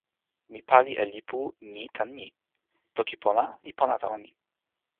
mi pali e lipu ni tan ni: toki pona li pona tawa mi.